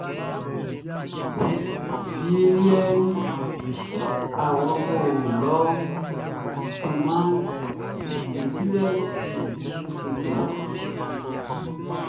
Wie liɛʼn, awlo lɔ junmanʼm be dilɛʼn ti kekle.